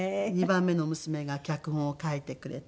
２番目の娘が脚本を書いてくれて。